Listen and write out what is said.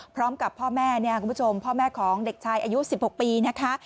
พร้อมกับพ่อแม่เนี่ยคุณผู้ชมพ่อแม่ของเด็กชายอายุ๑๖ปีนะคะ